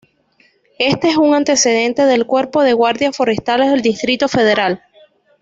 Este es un antecedente del Cuerpo de Guardias Forestales del Distrito Federal.